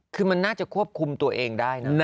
คือมันน่าจะควบคุมตัวเองได้นะ